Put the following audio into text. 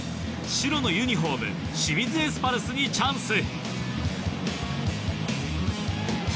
白のユニホーム清水エスパルスにチャンス。